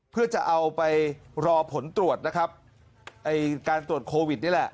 เพื่อจะเอาไปรอผลตรวจนะครับไอ้การตรวจโควิดนี่แหละ